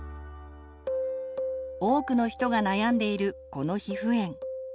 多くの人が悩んでいるこの皮膚炎。